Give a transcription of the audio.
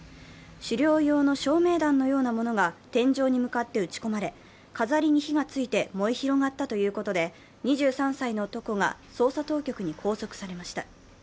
狩猟用の照明弾のようなものが天井に向かって撃ち込まれ飾りに火がついて燃え広がったということで、２３歳の男が捜査当局に拘束されました。